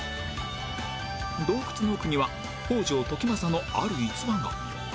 洞窟の奥には北条時政のある逸話が